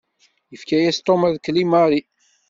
Yefka-yas Tom rrkel i Mary.